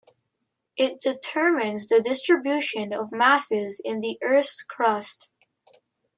It determines the distribution of masses in the Earth's crust.